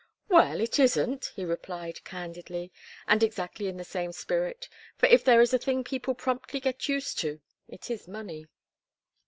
"Well, it isn't," he replied candidly, and exactly in the same spirit; for if there is a thing people promptly get used to, it is money.